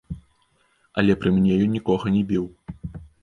Але пры мне ён нікога не біў.